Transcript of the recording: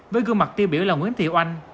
với gương mặt tiêu biểu là nguyễn thị oanh